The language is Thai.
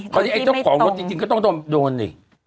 เพราะที่ไอ้เจ้าของรถจริงก็ต้องโดนดิ